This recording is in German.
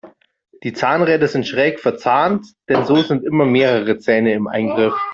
Die Zahnräder sind schräg verzahnt, denn so sind immer mehrere Zähne im Eingriff.